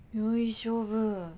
いい勝負。